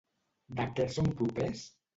De què són propers?